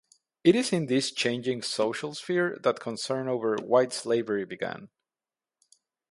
It is in this changing social sphere that concern over "white slavery" began.